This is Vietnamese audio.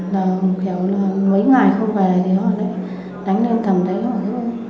mấy ngày không về thì họ lại đánh lên thẳng đấy thôi